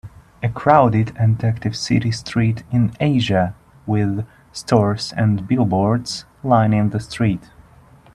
A crowded and active city street in Asia, with stores and billboards lining the street.